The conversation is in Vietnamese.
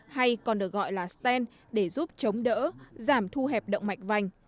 hay còn được gọi là sten để giúp chống đỡ giảm thu hẹp động mạch vành